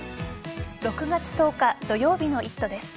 ６月１０日土曜日の「イット！」です。